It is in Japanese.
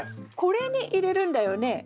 これに入れるんだよね？